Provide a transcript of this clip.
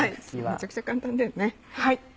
めちゃくちゃ簡単だよね。